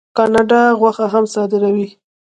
کاناډا غوښه هم صادروي.